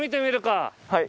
はい。